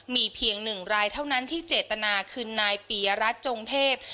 มีเพียงหนึ่งรายเท่านั้นที่เจตนาคือนายปียรัฐจงเทพ